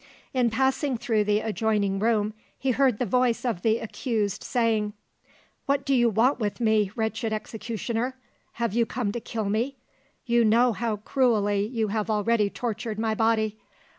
In passing through the adjoining room he heard the voice of the accused saying:— "What do you want with me, wretched executioner? Have you come to kill me? You know how cruelly you have already tortured my body.